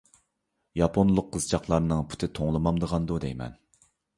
ياپونلۇق قىزچاقلارنىڭ پۇتى توڭلىمامدىغاندۇ دەيمەن.